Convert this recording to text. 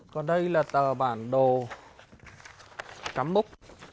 còn đây là tờ bản đồ cắm múc